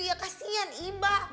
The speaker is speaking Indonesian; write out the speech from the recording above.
ya kasian iba